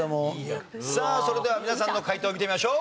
さあそれでは皆さんの解答を見てみましょう。